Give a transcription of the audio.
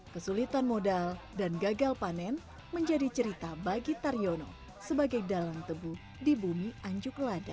kesulitan modal dan gagal panen menjadi cerita bagi taryono sebagai dalang tebu di bumi anjuk lada